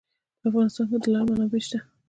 په افغانستان کې د لعل منابع شته.